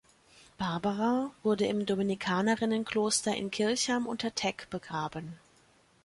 Barbara wurde im Dominikanerinnenkloster in Kirchheim unter Teck begraben.